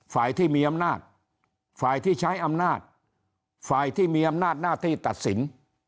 ฝ่ายที่มีอำนาจฝ่ายที่ใช้อำนาจฝ่ายที่มีอำนาจหน้าที่ตัดสิน